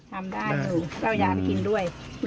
ทำได้อยู่ต้องเป้าย่ากินด้วย